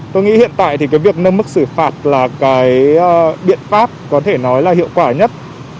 tôi nghĩ hiện tại thì cái việc nâng mức xử phạt là cái biện pháp có thể nói là hiệu quả nhất